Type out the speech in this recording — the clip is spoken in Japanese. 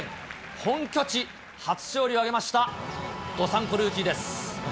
本拠地初勝利を挙げました、どさんこルーキーです。